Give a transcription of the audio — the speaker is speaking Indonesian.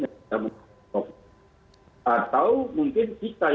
atau mungkin kita yang percaya